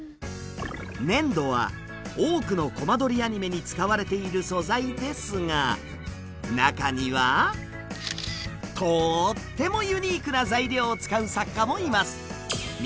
粘土は多くのコマ撮りアニメに使われている素材ですが中にはとーってもユニークな材料を使う作家もいます。